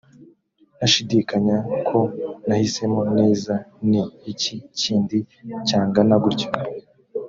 ntashidikanya ko nahisemo neza ni iki kindi cyangana gutyo‽